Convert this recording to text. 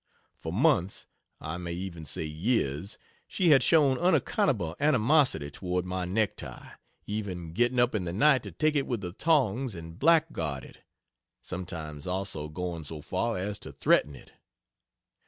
For months I may even say years she had shown unaccountable animosity toward my neck tie, even getting up in the night to take it with the tongs and blackguard it sometimes also going so far as to threaten it.